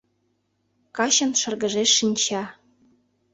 Качын шыргыжеш шинча.